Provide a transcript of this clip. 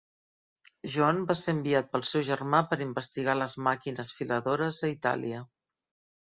John va ser enviat pel seu germà per investigar les màquines filadores a Itàlia.